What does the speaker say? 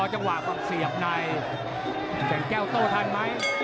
เฉียบในแกะแก้วโต๊ะทันไหม